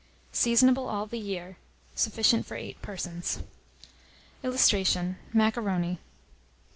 Seasonable all the year. Sufficient for 8 persons. [Illustration: MACARONI.